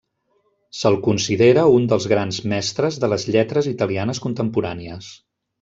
Se'l considera un dels grans mestres de les lletres italianes contemporànies.